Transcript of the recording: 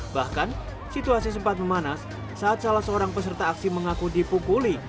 bahkan situasi sempat memanas saat salah seorang peserta aksi mengaku dipukuli